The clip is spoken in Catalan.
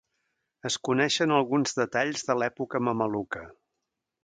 Es coneixen alguns detalls de l'època mameluca.